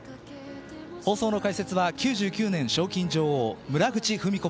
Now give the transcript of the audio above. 放送の解説は９９年賞金女王村口史子